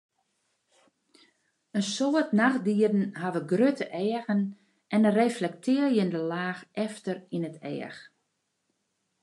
In soad nachtdieren hawwe grutte eagen en in reflektearjende laach efter yn it each.